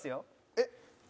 えっ。